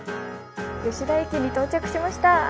吉田駅に到着しました！